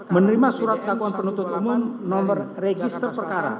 menerima surat dakwaan penuntut umum nomor register perkara